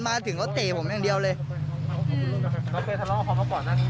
มาถึงเขาเตะผมอย่างเดียวเลยอืมมันเคยทะเลาะของเขาก่อนนะ